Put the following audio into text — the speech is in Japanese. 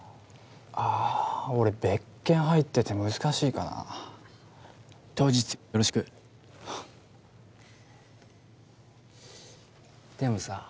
あ俺別件入ってて難しいかな当日よろしくでもさ